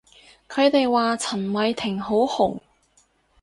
佢哋話陳偉霆好紅